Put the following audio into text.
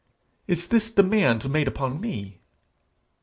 Is this demand made upon me?